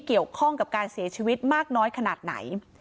เกี่ยวข้องกับการเสียชีวิตมากน้อยขนาดไหน